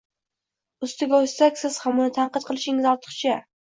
Ustiga ustak siz ham uni tanqid qilishingiz ortiqcha.